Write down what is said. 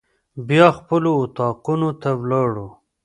بیا خپلو اطاقونو ته ولاړو.